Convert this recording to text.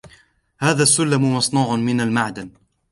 هذا السلم مصنوع من المعدن